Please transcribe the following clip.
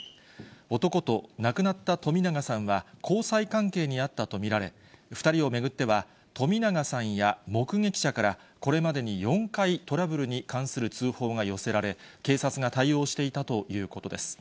男と亡くなった冨永さんは交際関係にあったと見られ、２人を巡っては、冨永さんや目撃者から、これまでに４回トラブルに関する通報が寄せられ、警察が対応していたということです。